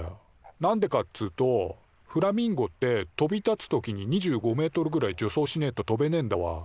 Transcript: なんでかっつうとフラミンゴって飛び立つときに２５ｍぐらい助走しねえと飛べねえんだわ。